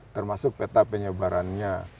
termasuk peta penyebarannya